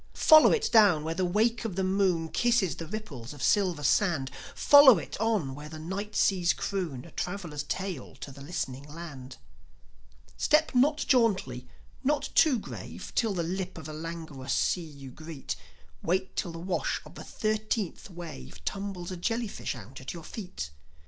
Follow it down where the wake of the moon Kisses the ripples of silver sand; Follow it on where the night seas croon A traveller's tale to the listening land. Step not jauntily, not too grave, Till the lip of the languorous sea you greet; Wait till the wash of the thirteenth wave Tumbles a jellyfish out at your feet.